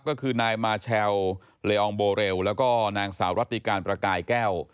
ก็คือนายมาเชลเลอองโบเรลแล้วก็นางสาวรัติการประกายแก้ว